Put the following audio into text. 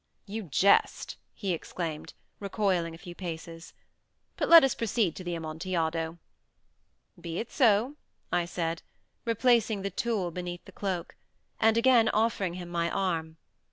"You jest," he exclaimed, recoiling a few paces. "But let us proceed to the Amontillado." "Be it so," I said, replacing the tool beneath the cloak, and again offering him my arm.